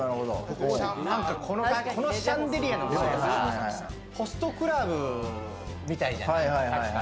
このシャンデリアの量とかホストクラブみたいじゃない？